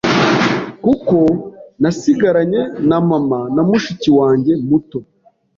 kuko nasigaranye na mama na mushiki wanjye muto,